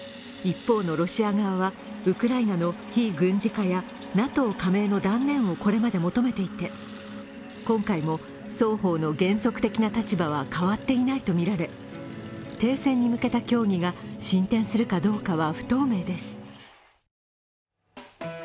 一方のロシア側はウクライナの非軍事化やＮＡＴＯ加盟の断念をこれまで求めていて今回も双方の原則的な立場は変わっていないとみられ停戦に向けた協議が進展するかどうかは不透明です。